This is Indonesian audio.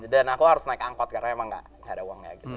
dan aku harus naik angkot karena emang gak ada uangnya gitu